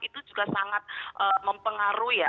itu juga sangat mempengaruhi ya